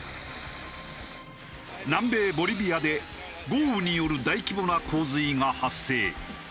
南米ボリビアで豪雨による大規模な洪水が発生。